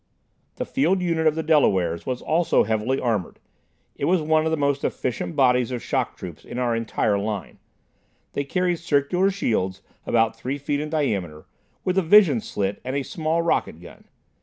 The field unit of the Delawares was also heavily armored. It was one of the most efficient bodies of shock troops in our entire line. They carried circular shields, about three feet in diameter, with a vision slit and a small rocket gun.